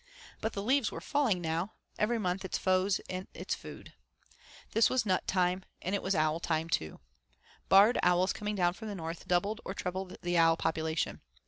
But the leaves were falling now every month its foes and its food. This was nut time, and it was owl time, too. Barred owls coming down from the north doubled or trebled the owl population.